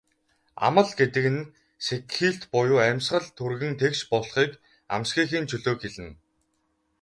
Амал гэдэг нь сэгхийлт буюу амьсгал түргэн тэгш болохыг, амсхийхийн чөлөөг хэлнэ.